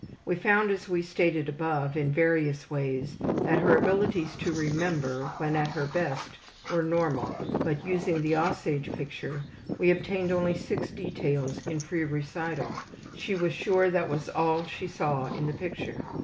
We found, as we stated above, in various ways that her abilities to remember, when at her best, were normal, but using the ``Aussage'' picture we obtained only 6 details in free recital; she was sure that was all she saw in the picture.